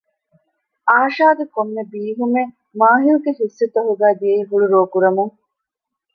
އާޝާގެ ކޮންމެ ބީހުމެއް މާޙިލްގެ ހިއްސުތަކުގައި ދިޔައީ ހުޅުރޯކުރަމުން